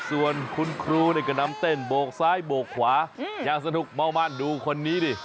ส่วนคุณครูก็นำเต้นโบกซ้ายโบกขวาอย่างสนุกเมามันดูคนนี้ดิ